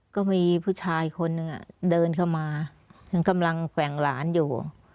ก็มีผู้ชายคนนึงเดินเข้ามาถึงกำลังแกว่งหลานอยู่